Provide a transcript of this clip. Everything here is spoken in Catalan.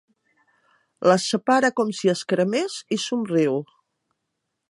Les separa com si es cremés i somriu.